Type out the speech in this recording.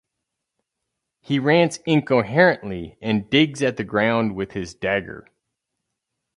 He rants incoherently and digs at the ground with his dagger.